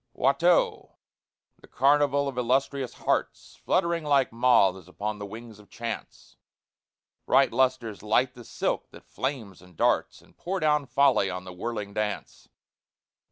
WATTEAU, the carnival of illustrious hearts, Fluttering like moths upon the wings of chance; Bright lustres light the silk that flames and darts, And pour down folly on the whirling dance.